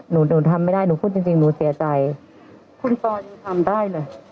หนูหนูทำไม่ได้หนูพูดจริงจริงหนูเสียใจคุณปอนยังทำได้เลย